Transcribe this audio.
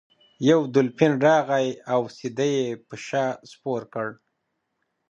یو دولفین راغی او سید یې په شا سپور کړ.